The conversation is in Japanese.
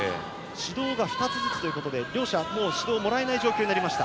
指導が２つずつということで両者指導をもらえない状況となりました。